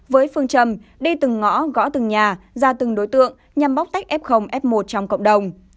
với phương trầm đi từng ngõ gõ từng nhà ra từng đối tượng nhằm bóc tách f f một trong cộng đồng